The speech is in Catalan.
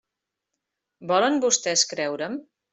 Volen vostès creure'm?